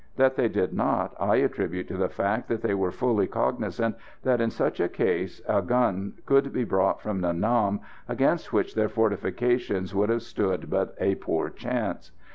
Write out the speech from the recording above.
That they did not, I attribute to the fact that they were fully cognisant that in such a case a gun could be brought from Nha Nam, against which their fortifications would have stood but a poor chance.